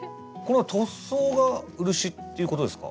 これは塗装が漆っていうことですか？